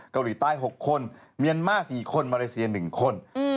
เกาหลีใต้๖คนเมียนมาร์๔คนมาเลเซีย๑คน